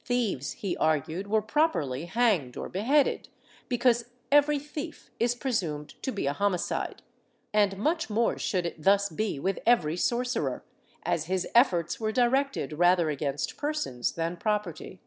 Thieves, he argued were properly hanged or beheaded, because every thief is presumed to be a homicide, and much more should it thus be with every sorcerer, as his efforts were directed rather against persons than property.